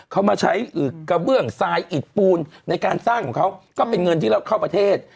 เขามาใช้กระเบื้องทรายอิดปูนในการสร้างของเขาก็เป็นเงินที่เราเข้าประเทศ